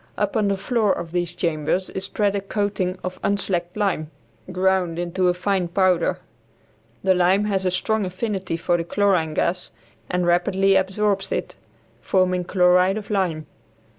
Upon the floor of these chambers is spread a coating of unslacked lime ground into a fine powder. The lime has a strong affinity for the chlorine gas and rapidly absorbs it, forming chloride of lime.